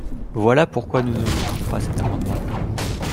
Voilà pourquoi nous ne voterons pas cet amendement.